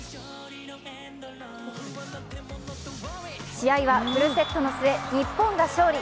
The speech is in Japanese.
試合はフルセットの末日本が勝利。